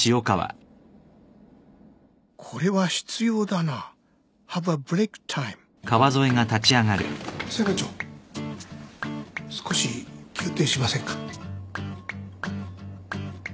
これは必要だなハブアブレイクタイム裁判長少し休廷しませんか。